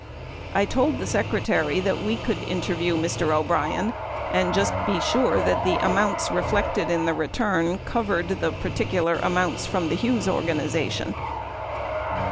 I told the Secretary that we could interview Mr. O'Brien and just be sure that the amounts reflected in the return covered the particular amounts from the Hughes or ganization .